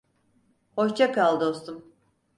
Hoşça kal dostum.